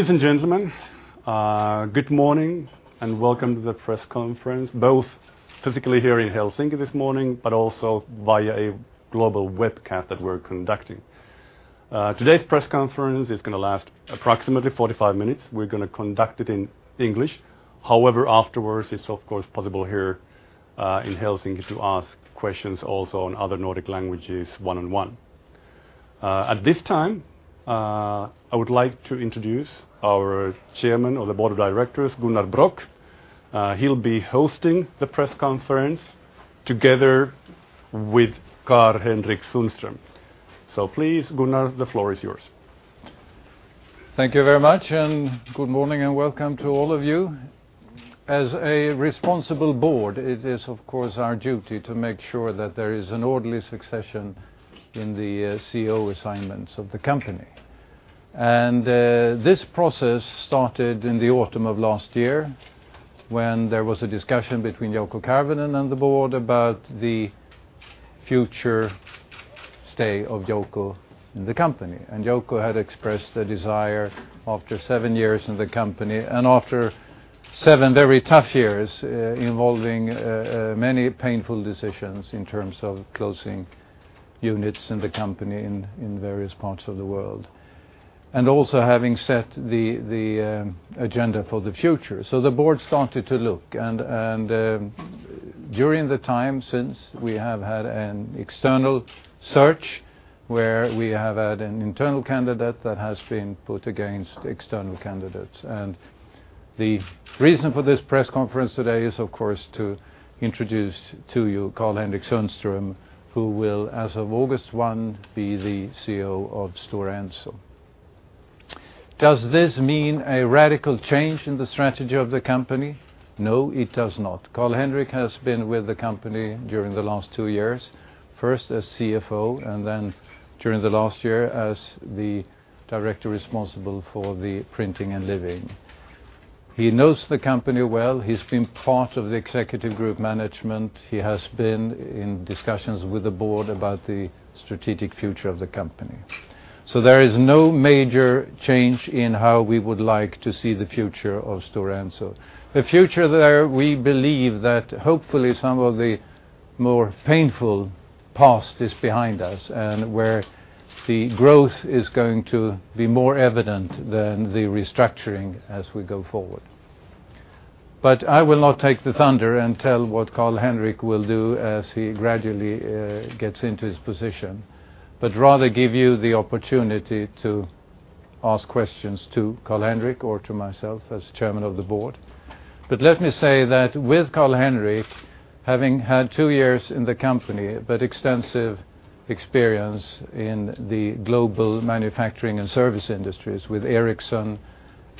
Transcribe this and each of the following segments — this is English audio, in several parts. Ladies and gentlemen, good morning and welcome to the press conference, both physically here in Helsinki this morning, but also via a global webcast that we're conducting. Today's press conference is going to last approximately 45 minutes. We're going to conduct it in English. Afterwards, it's of course possible here in Helsinki to ask questions also in other Nordic languages, one-on-one. At this time, I would like to introduce our Chairman of the Board of Directors, Gunnar Brock. He'll be hosting the press conference together with Karl-Henrik Sundström. Please, Gunnar, the floor is yours. Thank you very much, good morning and welcome to all of you. As a responsible board, it is, of course, our duty to make sure that there is an orderly succession in the CEO assignments of the company. This process started in the autumn of last year when there was a discussion between Jouko Karvinen and the board about the future stay of Jouko in the company. Jouko had expressed a desire after seven years in the company, and after seven very tough years, involving many painful decisions in terms of closing units in the company in various parts of the world. Also having set the agenda for the future. The board started to look, and during the time since, we have had an external search, where we have had an internal candidate that has been put against external candidates. The reason for this press conference today is, of course, to introduce to you Karl-Henrik Sundström, who will, as of August 1, be the CEO of Stora Enso. Does this mean a radical change in the strategy of the company? No, it does not. Karl-Henrik has been with the company during the last two years, first as CFO, and then during the last year as the Director responsible for the Printing and Living. He knows the company well. He's been part of the executive group management. He has been in discussions with the board about the strategic future of the company. There is no major change in how we would like to see the future of Stora Enso. The future that we believe that hopefully some of the more painful past is behind us, and where the growth is going to be more evident than the restructuring as we go forward. I will not take the thunder and tell what Karl-Henrik will do as he gradually gets into his position, but rather give you the opportunity to ask questions to Karl-Henrik or to myself as Chairman of the Board. Let me say that with Karl-Henrik having had two years in the company, but extensive experience in the global manufacturing and service industries with Ericsson,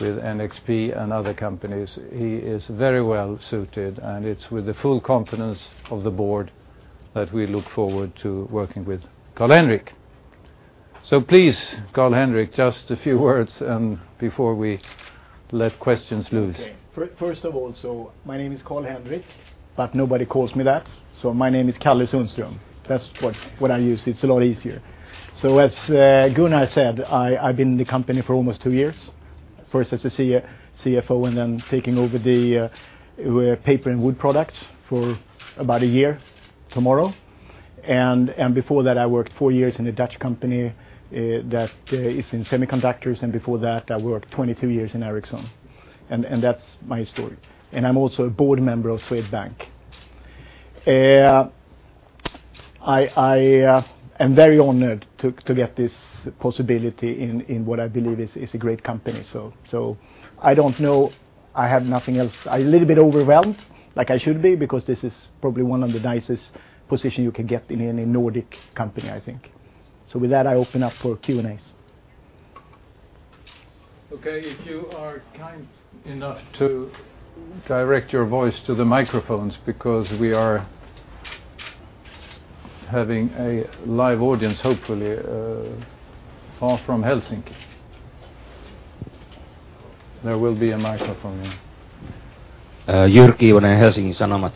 with NXP, and other companies, he is very well-suited, and it's with the full confidence of the board that we look forward to working with Karl-Henrik. Please, Karl-Henrik, just a few words before we let questions loose. Okay. First of all, my name is Karl-Henrik, but nobody calls me that. My name is Kalle Sundström. That's what I use. It's a lot easier. As Gunnar said, I've been in the company for almost two years, first as a CFO, and then taking over the paper and wood products for about one year tomorrow. Before that, I worked four years in a Dutch company that is in semiconductors, and before that, I worked 22 years in Ericsson. That's my story. I'm also a board member of Swedbank. I am very honored to get this possibility in what I believe is a great company. I don't know. I have nothing else. I'm a little bit overwhelmed, like I should be, because this is probably one of the nicest position you can get in any Nordic company, I think. With that, I open up for Q&As. Okay, if you are kind enough to direct your voice to the microphones because we are having a live audience, hopefully, far from Helsinki. There will be a microphone here. Jyrki Iivonen, Helsingin Sanomat.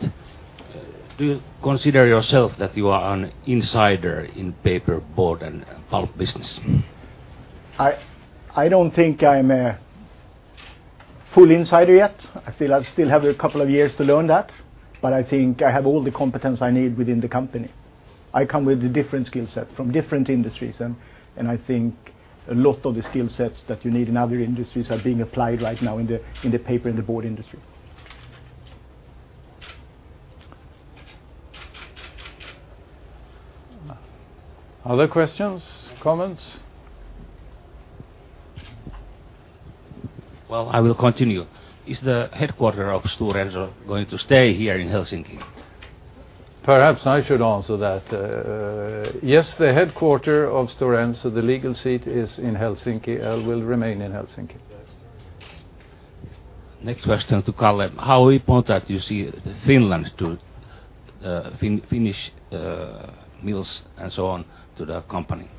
Do you consider yourself that you are an insider in paper, board, and pulp business? I don't think I'm a full insider yet. I feel I still have a couple of years to learn that, but I think I have all the competence I need within the company. I come with a different skill set from different industries, and I think a lot of the skill sets that you need in other industries are being applied right now in the paper and the board industry. Other questions, comments? Well, I will continue. Is the headquarter of Stora Enso going to stay here in Helsinki? Perhaps I should answer that. Yes, the headquarter of Stora Enso, the legal seat is in Helsinki and will remain in Helsinki. Next question to Kalle. How important do you see Finland to, Finnish mills and so on to the company?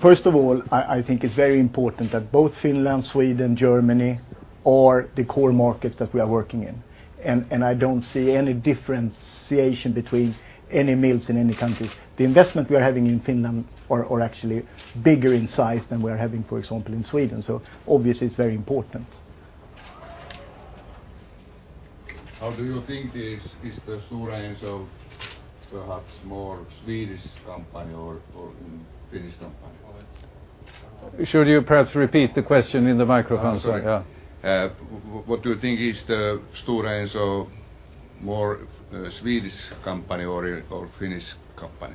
First of all, I think it's very important that both Finland, Sweden, Germany are the core markets that we are working in. I don't see any differentiation between any mills in any countries. The investment we are having in Finland are actually bigger in size than we are having, for example, in Sweden. Obviously, it's very important. How do you think, is the Stora Enso perhaps more Swedish company or Finnish company? Should you perhaps repeat the question in the microphone? Sorry. Sorry. What do you think, is the Stora Enso more Swedish company or Finnish company?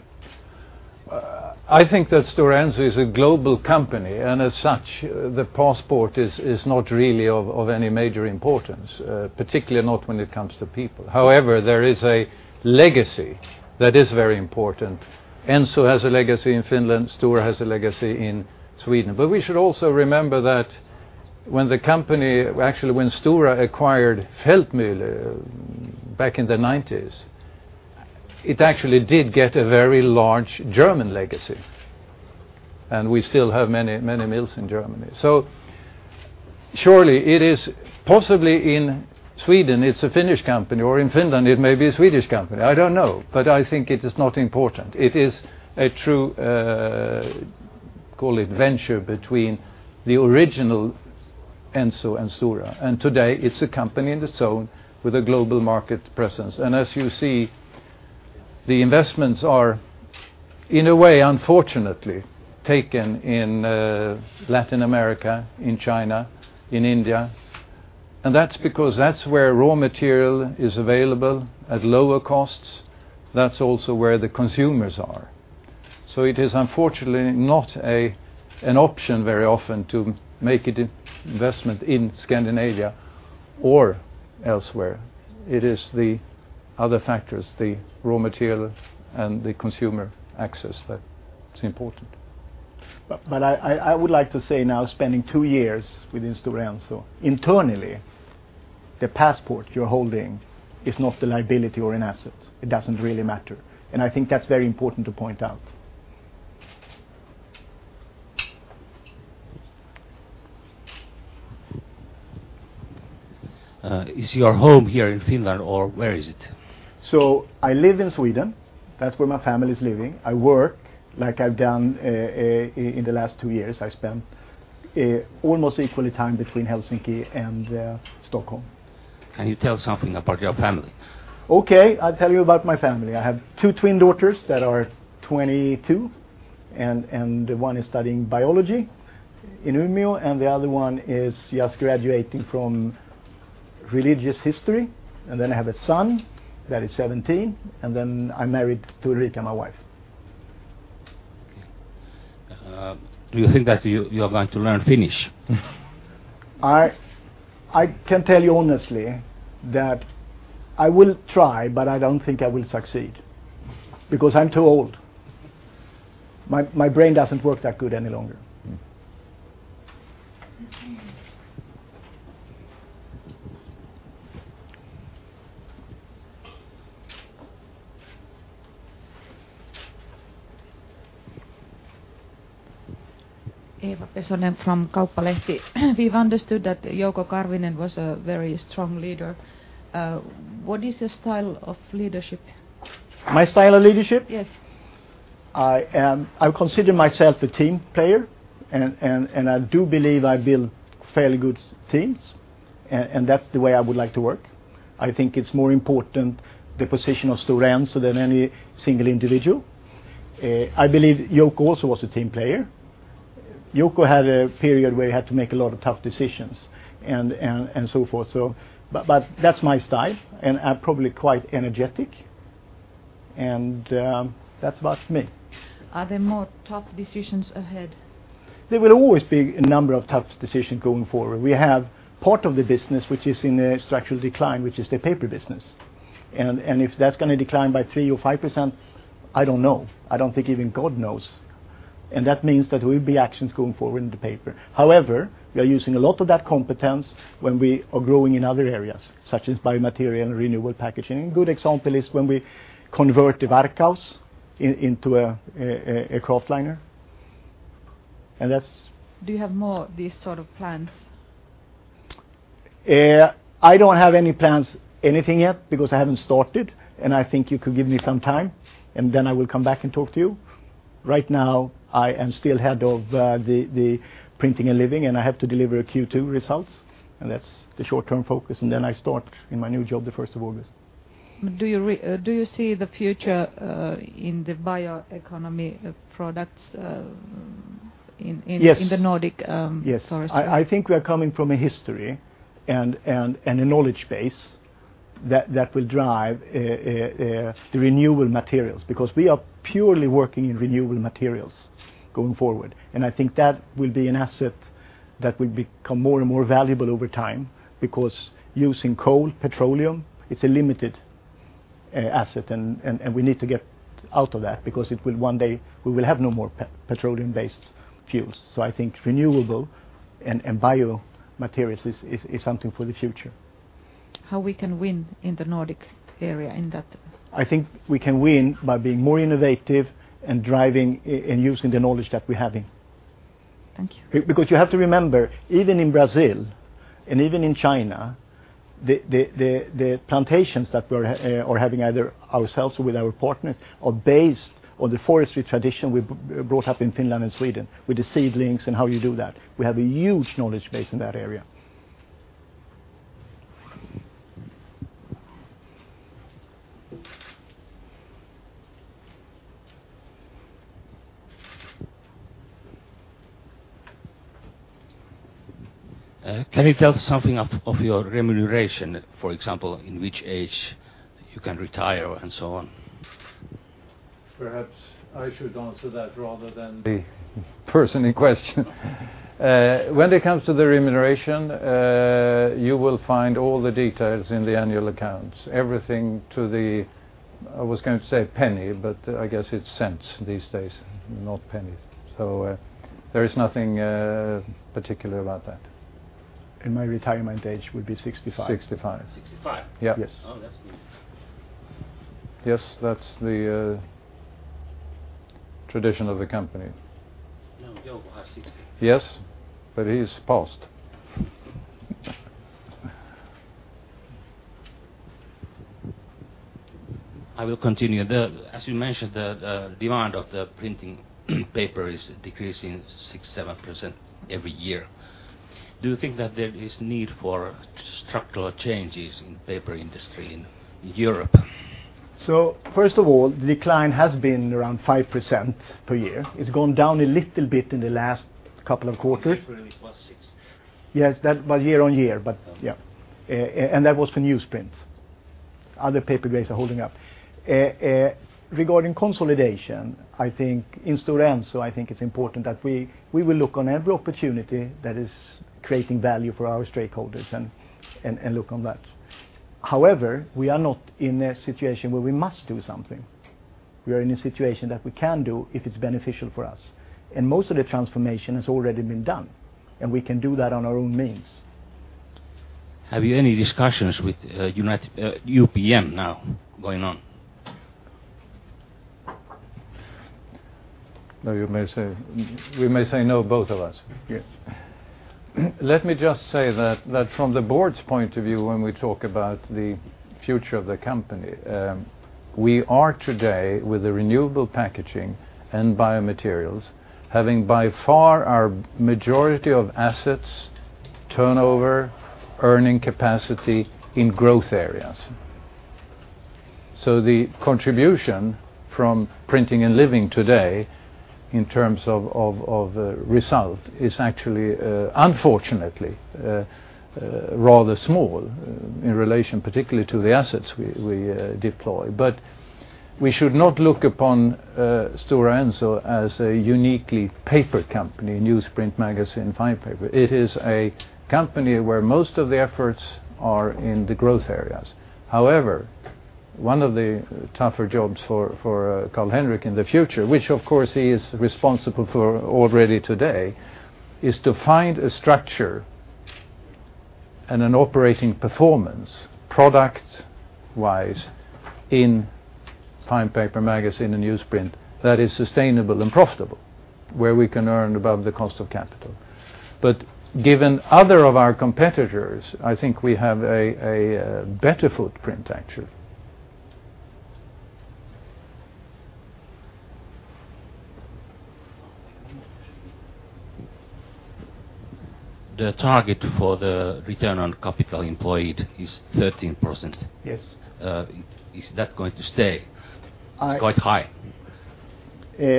I think that Stora Enso is a global company, as such, the passport is not really of any major importance, particularly not when it comes to people. However, there is a legacy that is very important. Enso has a legacy in Finland, Stora has a legacy in Sweden. We should also remember that when Stora acquired Feldmühle back in the '90s, it actually did get a very large German legacy, and we still have many mills in Germany. Surely, it is possibly in Sweden it's a Finnish company, or in Finland it may be a Swedish company. I don't know. I think it is not important. It is a true call it venture between the original Enso and Stora, today it's a company in its own with a global market presence. As you see, the investments are, in a way, unfortunately, taken in Latin America, in China, in India, that's because that's where raw material is available at lower costs. That's also where the consumers are. It is unfortunately not an option very often to make investment in Scandinavia or elsewhere. It is the other factors, the raw material, and the consumer access that is important. I would like to say now, spending two years within Stora Enso, internally, the passport you're holding is not a liability or an asset. It doesn't really matter, I think that's very important to point out. Is your home here in Finland, or where is it? I live in Sweden. That's where my family's living. I work, like I've done in the last two years, I spend almost equal time between Helsinki and Stockholm. Can you tell something about your family? I'll tell you about my family. I have two twin daughters that are 22, and one is studying biology in Umeå, and the other one is just graduating from religious history. I have a son that is 17, I'm married to Ulrika, my wife. Do you think that you are going to learn Finnish? I can tell you honestly that I will try, I don't think I will succeed because I'm too old. My brain doesn't work that good any longer. Eeva Pesonen from Kauppalehti. We've understood that Jouko Karvinen was a very strong leader. What is your style of leadership? My style of leadership? Yes. I consider myself a team player. I do believe I build fairly good teams. That's the way I would like to work. I think it's more important the position of Stora Enso than any single individual. I believe Jouko also was a team player. Jouko had a period where he had to make a lot of tough decisions and so forth. That's my style. I'm probably quite energetic. That's about me. Are there more tough decisions ahead? There will always be a number of tough decisions going forward. We have part of the business which is in structural decline, which is the paper business, and if that's going to decline by 3% or 5%, I don't know. I don't think even God knows. That means that there will be actions going forward into paper. However, we are using a lot of that competence when we are growing in other areas, such as biomaterial, renewable packaging. A good example is when we convert the Varkaus into a kraftliner. That's. Do you have more of these sort of plans? I don't have any plans, anything yet, because I haven't started. I think you could give me some time, then I will come back and talk to you. Right now, I am still head of the Printing and Living. I have to deliver Q2 results, that's the short-term focus. Then I start in my new job the 1st of August. Do you see the future in the bioeconomy products? Yes in the Nordic forestry? Yes. I think we are coming from a history and a knowledge base that will drive the renewable materials, because we are purely working in renewable materials going forward. I think that will be an asset that will become more and more valuable over time, because using coal, petroleum, it's a limited asset. We need to get out of that because one day we will have no more petroleum-based fuels. I think renewable and biomaterials is something for the future. How we can win in the Nordic area in that? I think we can win by being more innovative and driving and using the knowledge that we have in. Thank you. You have to remember, even in Brazil and even in China, the plantations that we're having, either ourselves or with our partners, are based on the forestry tradition we brought up in Finland and Sweden, with the seedlings and how you do that. We have a huge knowledge base in that area. Can you tell something of your remuneration, for example, in which age you can retire and so on? Perhaps I should answer that rather than the person in question. When it comes to the remuneration, you will find all the details in the annual accounts, everything to the, I was going to say penny, but I guess it's cents these days, not penny. There is nothing particular about that. My retirement age would be 65. 65. 65? Yeah. Yes. Oh, that's good. Yes, that's the tradition of the company. You're over 60. Yes, he's past. I will continue. As you mentioned, the demand of the printing paper is decreasing 6%-7% every year. Do you think that there is need for structural changes in paper industry in Europe? First of all, the decline has been around 5% per year. It's gone down a little bit in the last couple of quarters. It really was six. Yes, that was year-on-year. Okay. That was for newsprint. Other paper grades are holding up. Regarding consolidation, I think in Stora Enso, I think it's important that we will look on every opportunity that is creating value for our stakeholders and look on that. However, we are not in a situation where we must do something. We are in a situation that we can do if it's beneficial for us, and most of the transformation has already been done, and we can do that on our own means. Have you any discussions with UPM now going on? No, you may say, we may say no, both of us. Yes. Let me just say that from the board's point of view, when we talk about the future of the company, we are today, with the renewable packaging and biomaterials, having by far our majority of assets, turnover, earning capacity in growth areas. The contribution from Printing and Living today in terms of result is actually, unfortunately, rather small in relation particularly to the assets we deploy. We should not look upon Stora Enso as a uniquely paper company, newsprint, magazine, fine paper. It is a company where most of the efforts are in the growth areas. However, one of the tougher jobs for Karl-Henrik in the future, which of course he is responsible for already today, is to find a structure and an operating performance product-wise in fine paper, magazine, and newsprint that is sustainable and profitable, where we can earn above the cost of capital. Given other of our competitors, I think we have a better footprint, actually. The target for the return on capital employed is 13%. Yes. Is that going to stay? I- It's quite high.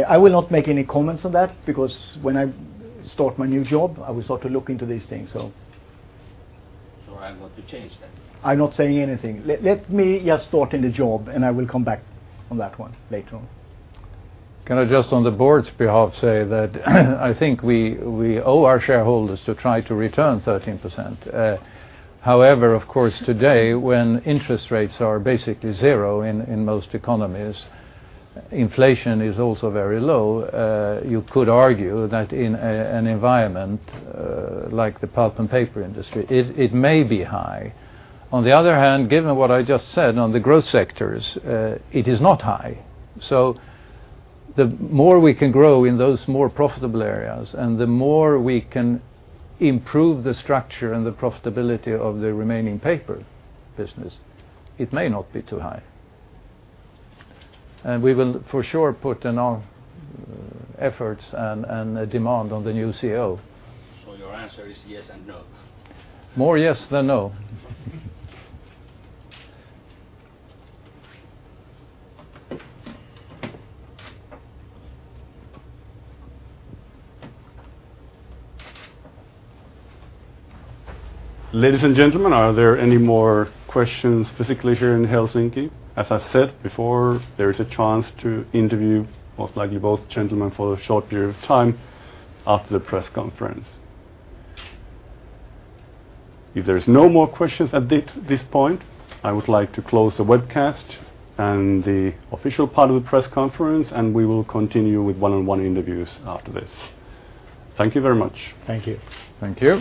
I will not make any comments on that because when I start my new job, I will sort of look into these things. Are you going to change that? I'm not saying anything. Let me just start in the job, and I will come back on that one later on. Can I just, on the board's behalf, say that I think we owe our shareholders to try to return 13%. However, of course, today, when interest rates are basically zero in most economies, inflation is also very low. You could argue that in an environment like the pulp and paper industry, it may be high. On the other hand, given what I just said on the growth sectors, it is not high. The more we can grow in those more profitable areas and the more we can improve the structure and the profitability of the remaining paper business, it may not be too high. We will, for sure, put enough efforts and demand on the new CEO. Your answer is yes and no. More yes than no. Ladies and gentlemen, are there any more questions physically here in Helsinki? As I said before, there is a chance to interview most likely both gentlemen for a short period of time after the press conference. If there's no more questions at this point, I would like to close the webcast and the official part of the press conference, and we will continue with one-on-one interviews after this. Thank you very much. Thank you. Thank you.